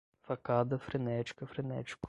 Facada, frenética, frenético